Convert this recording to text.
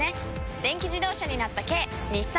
電気自動車になった軽日産サクラ！